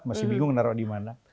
masih bingung naruh di mana